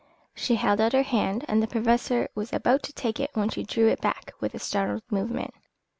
She held out her hand and the Professor was about to take it when she drew it back with a startled movement.